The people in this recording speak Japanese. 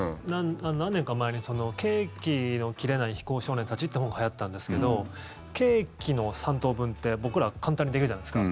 何年か前に「ケーキの切れない非行少年たち」って本がはやったんですけどケーキの３等分って、僕ら簡単にできるじゃないですか。